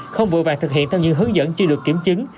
không vội vàng thực hiện theo những hướng dẫn chưa được kiểm chứng